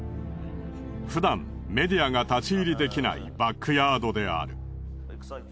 ふだんメディアが立ち入りできないバックヤードである。